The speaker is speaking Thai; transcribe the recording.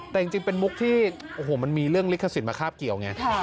แต่จริงเป็นมุกที่โอ้โหมันมีเรื่องลิขสิทธิ์มาคาบเกี่ยวไง